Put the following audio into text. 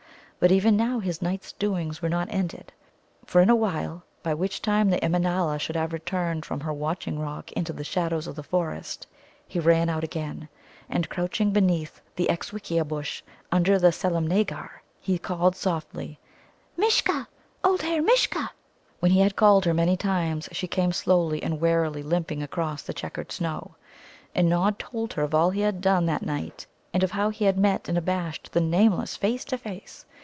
But even now his night's doings were not ended, for in a while, by which time the Immanâla should have returned from her watching rock into the shadows of the forest, he ran out again, and, crouching beneath the old Exxswixxia bush under the Sulemnāgar, he called softly: "Mishcha, old hare! Mishcha!" When he had called her many times, she came slowly and warily limping across the chequered snow. And Nod told her of all he had done that night, and of how he had met and abashed the Nameless face to face.